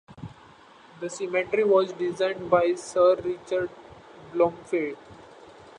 The cemetery was designed by Sir Richard Blomfield.